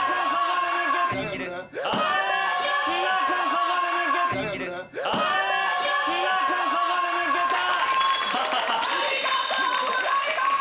ここで抜けた！